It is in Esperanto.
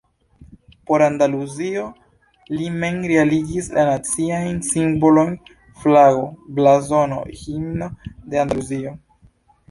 Por Andaluzio li mem realigis la naciajn simbolojn: flago, blazono, himno de Andaluzio.